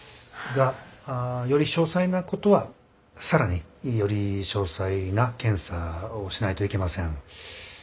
があより詳細なことは更により詳細な検査をしないといけません。